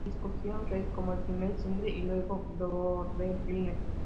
Escogieron ""Red"" como el primer single, y luego ""Borderline"".